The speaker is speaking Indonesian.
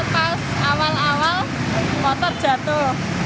pas awal awal motor jatuh